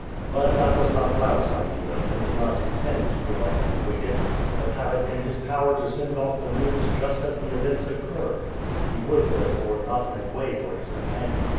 But that was not Blount's idea, who did not intend to give up the wicket, but have it in his power to send off the news just as the events occurred. He would therefore not make way for his companion.